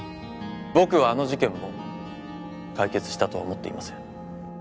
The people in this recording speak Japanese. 僕はあの事件も解決したとは思っていません。